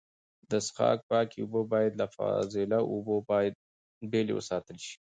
د څښاک پاکې اوبه باید له فاضله اوبو بېلې وساتل سي.